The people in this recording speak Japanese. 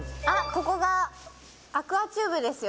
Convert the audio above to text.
ここがアクアチューブですよ